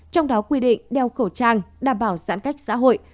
trong đó quy định đeo khẩu trang đảm bảo giãn cách xã hội